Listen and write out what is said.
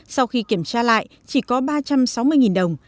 sau khi kiểm tra lại chỉ có ba trăm sáu mươi đồng